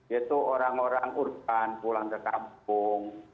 yaitu orang orang urban pulang ke kampung